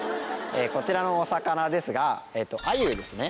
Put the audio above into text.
こちらのお魚ですがアユですね。